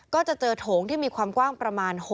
ก็จะเจอโถงที่มีความกว้างประมาณ